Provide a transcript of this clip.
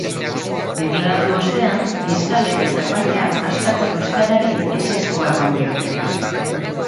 Deklaratu ostean, fiskalek eta epaileak askatzeko eskaerari ezezkoa eman diote.